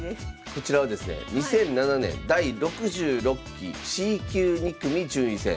こちらはですね２００７年第６６期Ｃ級２組順位戦。